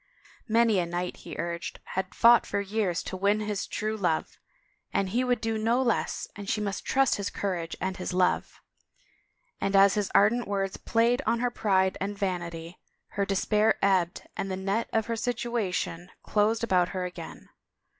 Many a knight, he urged, had fought for years to win his true love and he would do no less and she must trust his courage and his love, and as his ardent words played on her pride and vanity her despair ebbed and the net of her situation closed about her again.